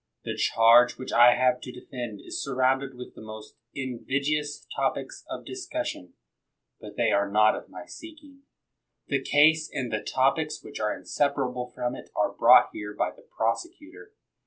The charge which I have to defend is surrounded with the most inviduous topics of discussion; but they are not of my seeking. The case and the topics which are inseparable from it are brought here by the prosecutor.